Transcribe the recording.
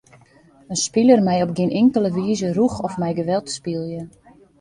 In spiler mei op gjin inkelde wize rûch of mei geweld spylje.